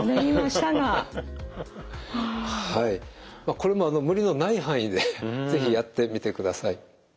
これも無理のない範囲で是非やってみてください。